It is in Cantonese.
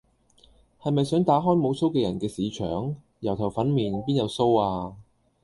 係咪想打開無鬚嘅人嘅巿場？油頭粉面，邊有鬚呀？